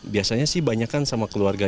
biasanya sih banyak kan sama keluarga